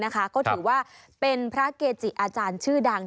ก็ถือว่าเป็นพระเกจิอาจารย์ชื่อดัง